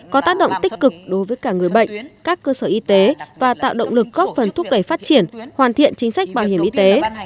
có tác động tích cực đối với cả người bệnh các cơ sở y tế và tạo động lực góp phần thúc đẩy phát triển hoàn thiện chính sách bảo hiểm y tế